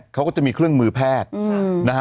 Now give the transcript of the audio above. เขาก็จะมีเครื่องมือแพทย์นะฮะ